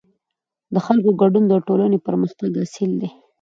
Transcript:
د خلکو ګډون د ټولنې پرمختګ اصل دی